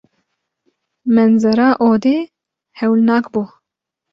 Menzera odê hewilnak bû.